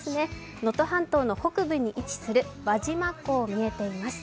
能登半島の北部に位置する輪島港が見えています。